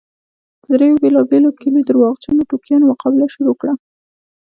د دريو بېلابېلو کليو درواغجنو ټوکیانو مقابله شروع کړه.